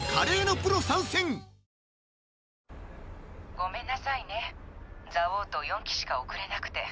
ごめんなさいねザウォート４機しか送れなくて。